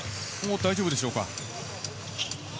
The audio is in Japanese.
大丈夫でしょうか？